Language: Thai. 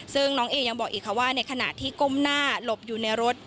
ซึ่งน้องเอยังบอกอีกค่ะว่าในขณะที่ก้มหน้าหลบอยู่ในรถ